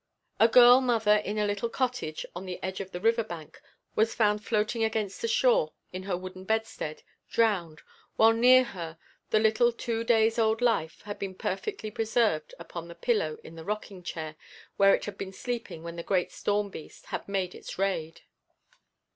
A girl mother in a little cottage on the edge of the river bank was found floating against the shore in her wooden bedstead, drowned, while near her the little two days' old life had been perfectly preserved upon the pillow in the rocking chair where it had been sleeping when the great storm beast had made its raid.